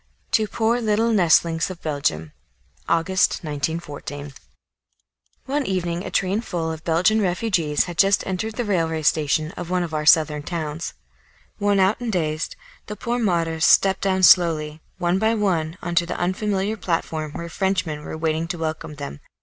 II TWO POOR LITTLE NESTLINGS OF BELGIUM August, 1914. One evening a train full of Belgian refugees had just entered the railway station of one of our southern towns. Worn out and dazed, the poor martyrs stepped down slowly, one by one, on to the unfamiliar platform where Frenchmen were waiting to welcome them.